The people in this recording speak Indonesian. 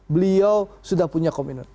beliau sudah punya komitmen